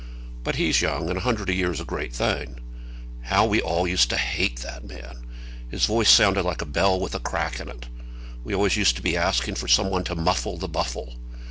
But he's young, and a hundred a year is a great thing. How we all of us used to hate that man. His voice sounded like a bell with a crack in it. We always used to be asking for some one to muffle the Buffle.